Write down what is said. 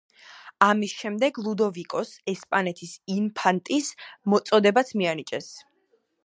ამის შემდეგ, ლუდოვიკოს ესპანეთის ინფანტის წოდებაც მიანიჭეს.